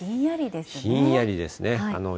ひんやりですね。